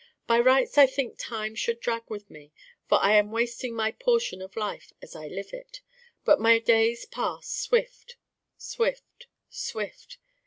By rights I think time should drag with me, for I am wasting my portion of life as I live it. But my days pass Swift Swift, Swift.